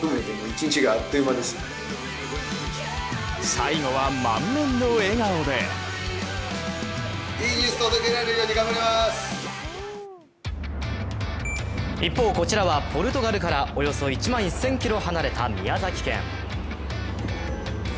最後は満面の笑顔で一方、こちらはポルトガルからおよそ１万１０００ｋｍ離れた宮崎県。